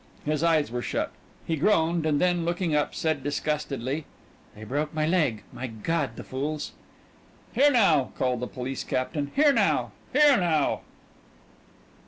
His eyes were shut. He groaned and then looking up said disgustedly "They broke my leg. My God, the fools!" "Here now!" called the police captain. "Here now! Here now!"